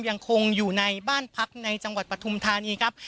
ยังคงอยู่ในบ้านพักในจังหวัดปฐุมธานีครับ